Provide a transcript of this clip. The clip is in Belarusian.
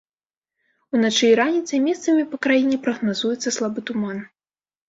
Уначы і раніцай месцамі па краіне прагназуецца слабы туман.